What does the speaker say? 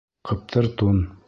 Ҡыптыр тун.